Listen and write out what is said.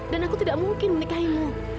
dan aku tidak mungkin menikahimu